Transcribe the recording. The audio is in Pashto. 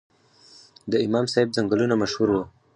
د امام صاحب ځنګلونه مشهور وو